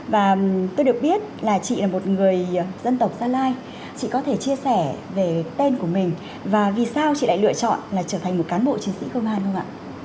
và tôi được biết là chị là một người dân tộc gia lai chị có thể chia sẻ về tên của mình và vì sao chị lại lựa chọn là trở thành một cán bộ chiến sĩ công an không ạ